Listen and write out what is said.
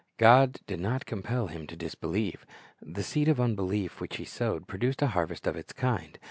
God did not compel him to disbelieve. The seed of unbelief which he sowed, produced a harvest of its kind..